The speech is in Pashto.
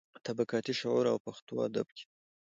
طبقاتي شعور او پښتو ادب کې.